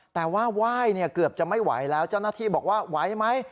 แต่ว่าไหว้เกือบจะไม่ไหวแล้วเจ้าหน้าที่บอกว่าไหวไหม